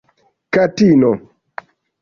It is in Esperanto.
katino